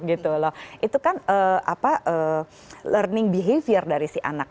itu kan learning behavior dari si anak